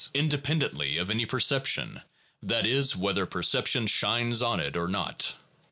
independently of any perception, that is, whether perception shines on it or not.